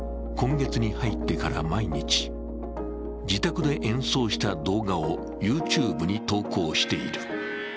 今月に入ってから毎日自宅で演奏した動画をＹｏｕＴｕｂｅに投稿している。